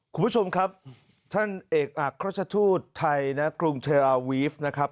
คุณผู้ชมครับท่านเอกอักราชทูตไทยนะกรุงเทราวีฟนะครับ